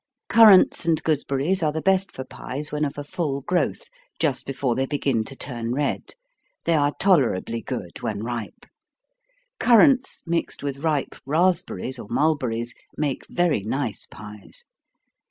_ Currants and gooseberries are the best for pies when of a full growth, just before they begin to turn red they are tolerably good when ripe. Currants mixed with ripe raspberries or mulberries, make very nice pies.